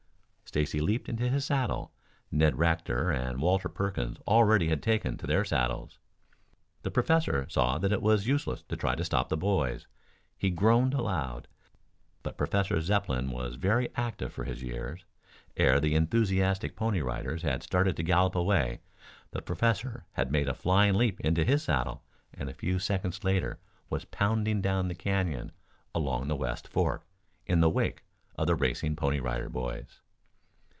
Stacy leaped into his saddle. Ned Rector and Walter Perkins already had taken to their saddles. The professor saw that it was useless to try to stop the boys. He groaned aloud. But Professor Zepplin was very active for his years. Ere the enthusiastic Pony Riders had started to gallop away the professor had made a flying leap into his saddle and a few seconds later was pounding down the canyon, along the West Fork, in the wake of the racing Pony Rider Boys.